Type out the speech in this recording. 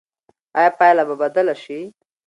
ایا پایله به بدله شي؟